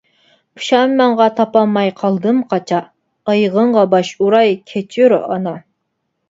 پۇشايمانغا تاپالماي قالدىم قاچا، ئايىغىڭغا باش ئۇراي كەچۈر ئانا.